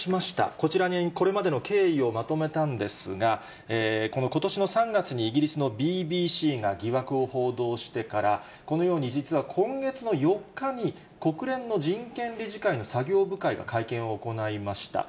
こちらにこれまでの経緯をまとめたんですが、このことしの３月にイギリスのＢＢＣが疑惑を報道してから、このように実は今月の４日に国連の人権理事会の作業部会が会見を行いました。